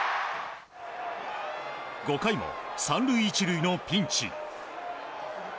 ５回も３塁１塁のピンチ。